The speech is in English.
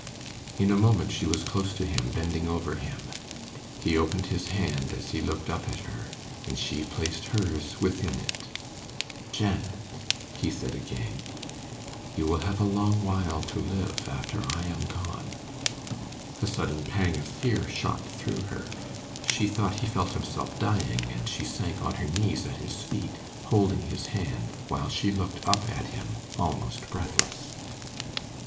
In a moment she was close to him, bending over him. He opened his hand as he looked up at her, and she placed hers within it. 'Janet,' he said again, 'you will have a long while to live after I am gone.' A sudden pang of fear shot through her. She thought he felt himself dying, and she sank on her knees at his feet, holding his hand, while she looked up at him, almost breathless.